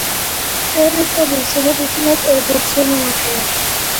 ტერიტორიის უმეტესი ნაწილი ბორცვიანი ვაკეა.